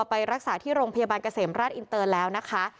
ไปรักษาที่โรงพยาบาลเกษมราชอินเตอร์แล้วนะคะ